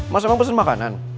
mas emang pesen makanan